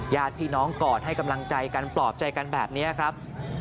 ญาติพี่น้องกอดให้กำลังใจกันปลอบใจกันแบบนี้ครับ